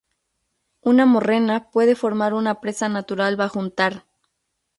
Una morrena puede formar una presa natural bajo un tarn.